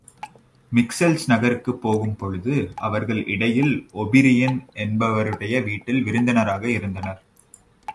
மிக்செல்ஸ் நகருக்குப் போகும் பொழுது அவர்கள் இடையில் ஒபிரியன் என்பருடைய வீட்டில் விருந்தினராக இருந்தனர்.